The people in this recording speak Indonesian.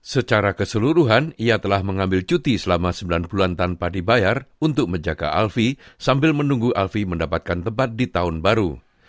secara keseluruhan ia telah mengambil cuti selama sembilan bulan tanpa dibayar untuk menjaga alfie sambil menunggu alfie mendapatkan tempat di tahun baru